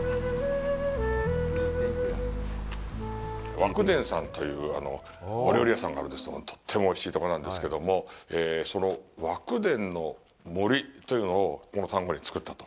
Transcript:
和久傳さんというお料理屋さんがあるんですけど、もうとってもおいしいところなんですけども、その「和久傳ノ森」というのをこの丹後に造ったと。